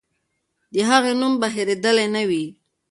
د هغې نوم به هېرېدلی نه وي.